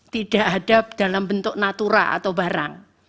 tidak ada dalam bentuk natura atau barang